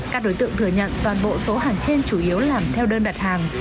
các đối tượng thừa nhận toàn bộ số hàng trên chủ yếu làm theo đơn đặt hàng